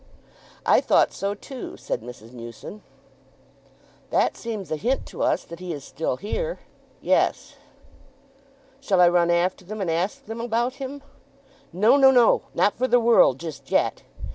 "I thought so too," said Mrs. Newson. "That seems a hint to us that he is still here." "Yes." "Shall I run after them, and ask them about him——" "No, no, no! Not for the world just yet.